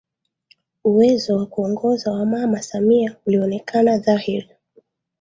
Uwezo wa kuongoza wa mama Samia ulionekana dhahiri